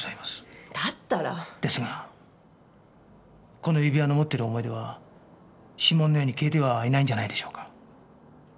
この指輪の持ってる思い出は指紋のように消えてはいないんじゃないでしょうか。